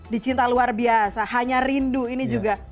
di cinta luar biasa hanya rindu ini juga